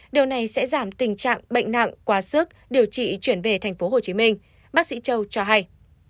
điều này sẽ giảm tình trạng bệnh nặng quá sức điều trị chuyển về tp hcm bác sĩ châu cho hay